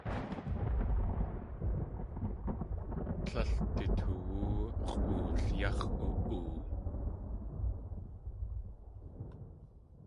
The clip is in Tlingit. Tlél du toowú x̲ʼool yáx̲ u.oo.